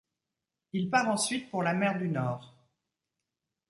Il part ensuite pour la mer du Nord.